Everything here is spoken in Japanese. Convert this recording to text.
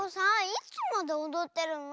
いつまでおどってるの？